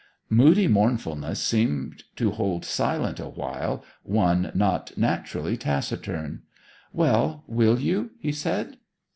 Moody mournfulness seemed to hold silent awhile one not naturally taciturn. 'Well will you?' he said.